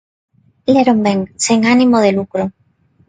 "Leron ben, "sen ánimo de lucro"."